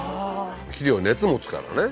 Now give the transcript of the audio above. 肥料熱持つからね